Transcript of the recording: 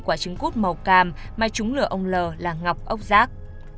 quả trứng cút màu càm mà chúng lừa ông l là ngọc ốc giác